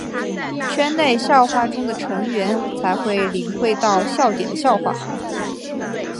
圈内笑话中的成员才能领会到笑点的笑话。